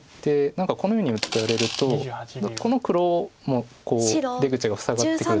何かこのように打たれるとこの黒も出口が塞がってくると。